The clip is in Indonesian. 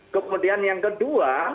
kemudian yang kedua